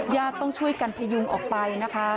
ญาติต้องช่วยกันพยุงออกไป